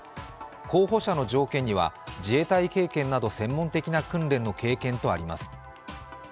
候補者の条件には自衛隊経験など専門的な訓練とあります。